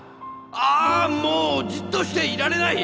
ああもうじっとしていられない！